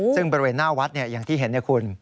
ซึ่งบริเวณหน้าวัดอย่างที่เห็นนะคุณ